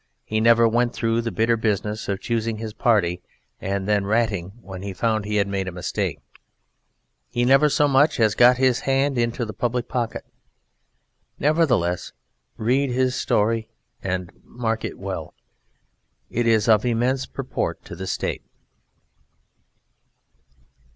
He never went through the bitter business of choosing his party and then ratting when he found he had made a mistake. He never so much as got his hand into the public pocket. Nevertheless read his story and mark it well. It is of immense purport to the State.